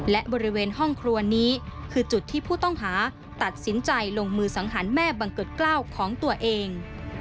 และบริเวณห้องครัวนี้คือจุดที่ผู้ต้องหาตัดสินใจลงมือสังหารแม่บังเกิดเกล้าของตัวเอง